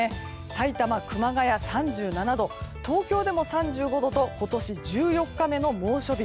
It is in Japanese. さいたま、熊谷は３７度東京でも３５度と今年１４日目の猛暑日。